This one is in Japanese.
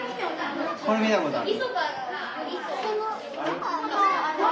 これ見たことある？